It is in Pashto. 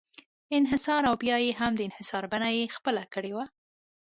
انحصار او بیا هم د انحصار بڼه یې خپله کړې وه.